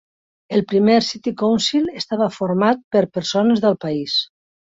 El primer City Council estava format per persones del país.